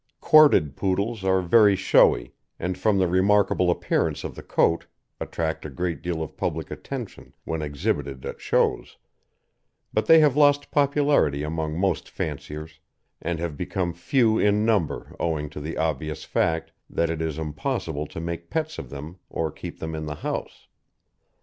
Corded Poodles are very showy, and from the remarkable appearance of the coat, attract a great deal of public attention when exhibited at shows; but they have lost popularity among most fanciers, and have become few in number owing to the obvious fact that it is impossible to make pets of them or keep them in the house.